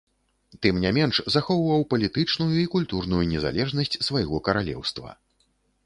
Тым не менш, захоўваў палітычную і культурную незалежнасць свайго каралеўства.